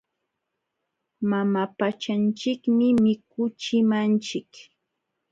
Mama pachanchikmi mikuchimanchik.